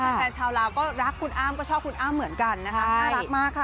แฟนชาวลาวก็รักคุณอ้ามก็ชอบคุณอ้ามเหมือนกันนะคะ